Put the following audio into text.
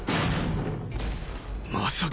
まさか！